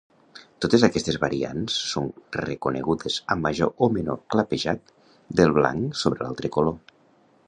Totes aquestes variants són reconegudes, amb major o menor clapejat del blanc sobre l'altre color.